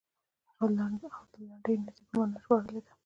او د لنډې نېزې په معنا یې ژباړلې ده.